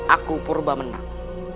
aku purba menang